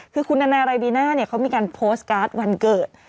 คือคุณนานารายบีน่าเนี่ยเขามีการโพสต์การ์ดวันเกิด